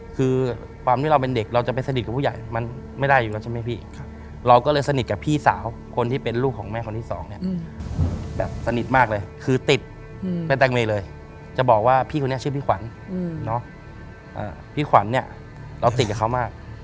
คือความที่เราเป็นเด็กเราจะไปสนิทกับผู้ใหญ่มันไม่ได้อยู่แล้วใช่ไหมพี่เราก็เลยสนิทกับพี่สาวคนที่เป็นลูกของแม่คนที่สองเนี่ยแบบสนิทมากเลยคือติดแม่แตงเมย์เลยจะบอกว่าพี่คนนี้ชื่อพี่ขวัญพี่ขวัญเนี่ยเราติดกับเขามาก